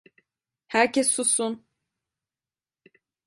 Herkes sussun!